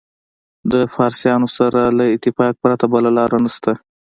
د فارسیانو سره له اتفاق پرته بله لاره نشته.